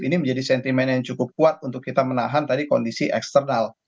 ini menjadi sentimen yang cukup kuat untuk kita menahan tadi kondisi eksternal